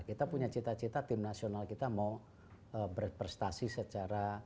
kita punya cita cita tim nasional kita mau berprestasi secara